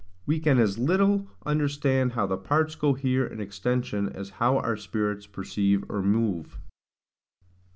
We can as little understand how the parts cohere in extension as how our spirits perceive or move.